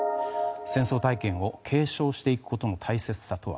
戦争体験を継承していくことの大切さとは。